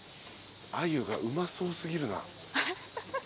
鮎がうまそう過ぎるな。